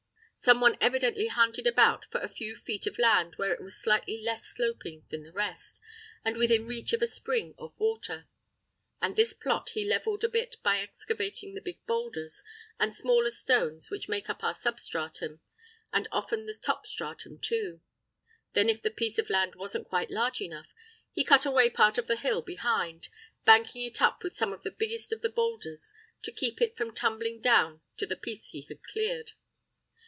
Someone evidently hunted about for a few feet of land where it was slightly less sloping than the rest, and within reach of a spring of water, and this plot he levelled a bit by excavating the big boulders and smaller stones which make up our substratum, and often the top stratum too. Then if the piece of land wasn't quite large enough, he cut away part of the hill behind, banking it up with some of the biggest of the boulders, to keep it from tumbling down on to the piece he had cleared.